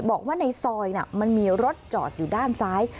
บอกว่าในซอยมันมีรถจอดอยู่ด้านซ้าย